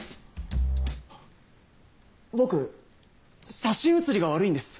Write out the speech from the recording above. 僕写真写りが悪いんです！